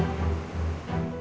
udah aku blok